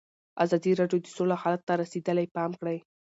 ازادي راډیو د سوله حالت ته رسېدلي پام کړی.